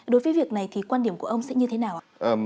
cái việc này thì quan điểm của ông sẽ như thế nào